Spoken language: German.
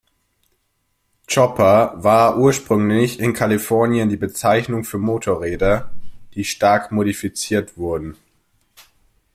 Chopper war ursprünglich in Kalifornien die Bezeichnung für Motorräder, die stark modifiziert wurden.